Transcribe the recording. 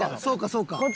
そうかそうか。